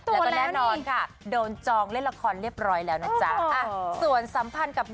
แล้วก็แน่นอนค่ะโดนจองเล่นละครเรียบร้อยแล้วนะจ๊ะ